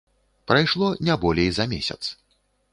Прайшло не болей за месяц.